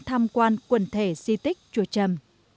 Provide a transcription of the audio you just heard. tham quan quần thể si tích chùa trầm